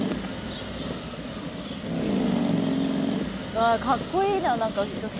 わあかっこいいな何か後ろ姿。